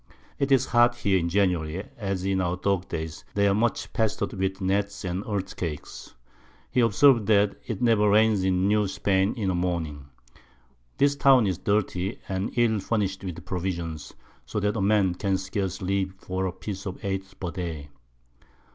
'Tis as hot here in January, as in our Dog days; they are much pester'd with Gnats and Earthquakes. He observes that it never rains in New Spain in a Morning. This Town is dirty, and ill furnish'd with Provisions, so that a Man can scarce live for a Piece of Eight per Day.